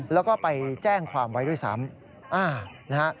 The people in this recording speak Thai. แล้วก็ไปแจ้งความไว้ด้วยซ้ำ